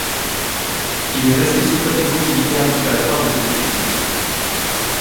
Il est resté sous protection militaire jusqu'à la fin de ses études.